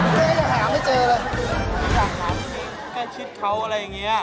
แกแก่ชิดเค้าอะไรอย่างเงี้ย